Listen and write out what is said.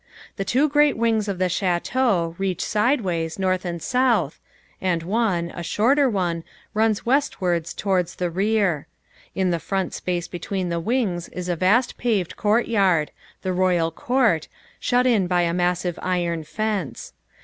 The two great wings of the Château reach sideways, north and south; and one, a shorter one, runs westwards towards the rear. In the front space between the wings is a vast paved court yard the Royal Court shut in by a massive iron fence.